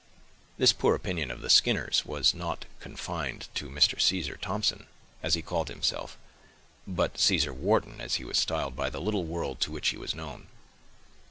This poor opinion of the Skinners was not confined to Mr. Caesar Thompson, as he called himself—but Caesar Wharton, as he was styled by the little world to which he was known.